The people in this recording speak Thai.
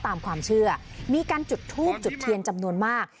ตามความเชื่อมีการจุดทูบจุดเทียนจำนวนมาก